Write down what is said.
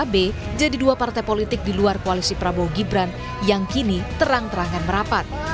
tiga b jadi dua partai politik di luar koalisi prabowo gibran yang kini terang terangan merapat